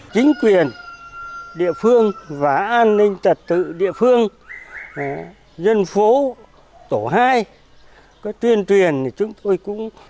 chính quyền địa phương và an ninh trật tự địa phương dân phố tổ hai có tuyên truyền thì chúng tôi cũng